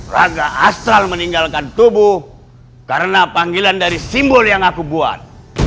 raga asal meninggalkan tubuh karena panggilan dari simbol yang aku buat